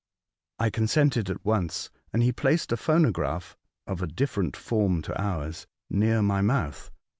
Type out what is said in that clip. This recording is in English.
I consented at once, and he placed a phono graph (of a different form to ours) near my Explanations, 211 moutli.